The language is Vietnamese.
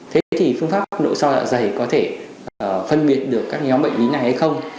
thế thì phương pháp nội soi dạ dày có thể phân biệt được các nhóm bệnh lý này hay không